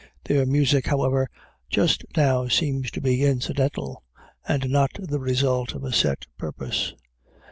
Their music, however, just now seems to be incidental, and not the result of a set purpose.